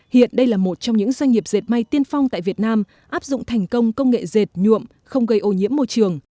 hiện đây là một trong những doanh nghiệp dệt may tiên phong tại việt nam áp dụng thành công công nghệ dệt nhuộm không gây ô nhiễm môi trường